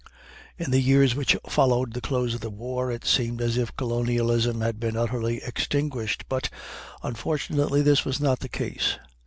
In the years which followed the close of the war, it seemed as if colonialism had been utterly extinguished: but, unfortunately, this was not the case.